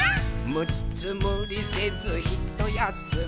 「むっつむりせずひとやすみ」